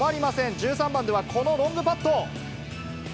１３番ではこのロングパット。